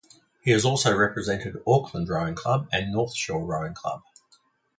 He has also represented Auckland Rowing Club and North Shore Rowing Club.